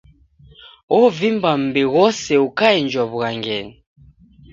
Wovimba mbi ghose ukaenjwa w'ughangenyi.